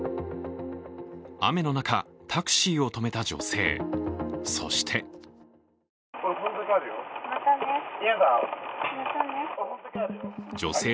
雨の中、タクシーを止めた女性。